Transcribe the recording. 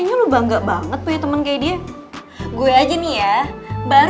udah emak tau gak